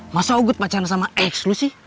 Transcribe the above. masa uwgut pacaran sama ex lu sih